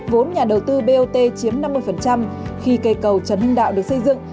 vốn nhà đầu tư bot chiếm năm mươi khi cây cầu trần hưng đạo được xây dựng